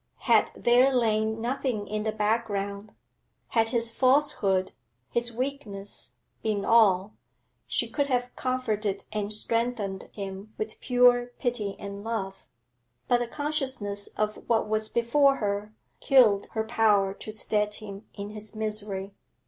Had there lain nothing in the background, had his falsehood, his weakness, been all, she could have comforted and strengthened him with pure pity and love. But the consciousness of what was before her killed her power to stead him in his misery.